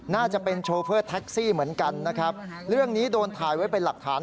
น่าจะเป็นโชเฟอร์แท็กซี่เหมือนกันนะครับเรื่องนี้โดนถ่ายไว้เป็นหลักฐาน